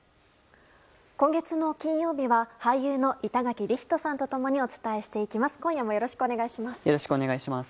今月の金曜日は俳優の板垣李光人さんと共にお伝えしていきます。